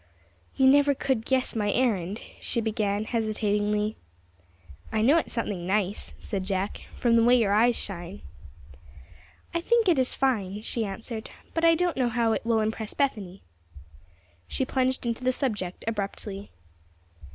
"You never could guess my errand," she began, hesitatingly. "I know it is something nice," said Jack, "from the way your eyes shine." "I think it is fine," she answered; "but I don't know how it will impress Bethany." She plunged into the subject abruptly.